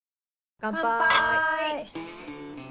乾杯！